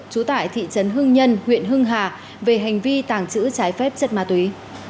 chú tải thị trấn hưng nhân huyện hưng hà về hành vi tàng trữ trái phép chất ma túy